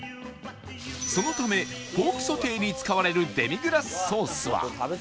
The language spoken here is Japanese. そのためポークソテーに使われるデミグラスソースは